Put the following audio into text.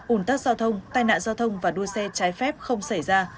ủn tắc giao thông tai nạn giao thông và đua xe trái phép không xảy ra